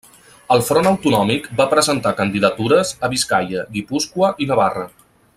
El Front Autonòmic va presentar candidatures a Biscaia, Guipúscoa i Navarra.